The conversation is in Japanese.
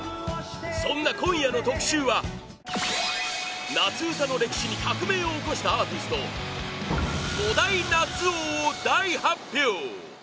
そんな今夜の特集は夏うたの歴史に革命を起こしたアーティスト５大夏王を大発表